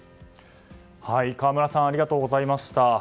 河村さんありがとうございました。